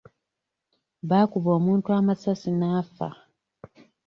Baakuba omuntu amasasi n'afa..